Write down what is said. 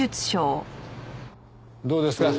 どうですか？